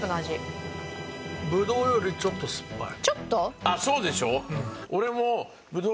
俺もブドウよりちょっとすっぱい。